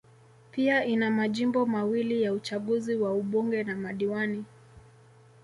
Pia ina majimbo mawili ya Uchaguzi wa ubunge na madiwani